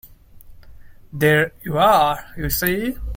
There you are, you see!